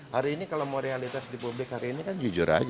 hari ini kalau mau realitas di publik hari ini kan jujur aja